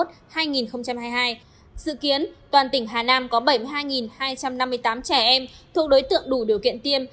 dự kiến toàn tỉnh hà nam có bảy mươi hai hai trăm năm mươi tám trẻ em thuộc đối tượng đủ điều kiện tiêm